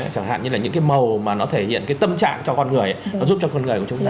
chẳng hạn như là những cái màu mà nó thể hiện cái tâm trạng cho con người nó giúp cho con người của chúng ta